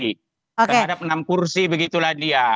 terhadap enam kursi begitulah dia